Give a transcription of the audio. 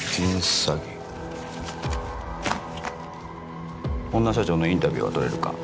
詐欺女社長のインタビューは取れるか？